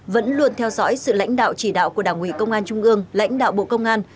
vẫn luôn theo dõi sự lãnh đạo chỉ đạo của đảng ủy công an trung ương lãnh đạo bộ công an